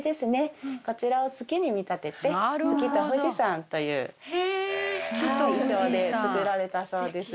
こちらを月に見立てて月と富士山という意匠で作られたそうです。